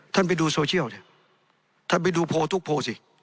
ท่านไปดูโซเชียลท่านไปดูโพส์ทุกโพสิ